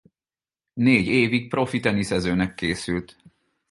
Négy évig profi teniszezőnek készült.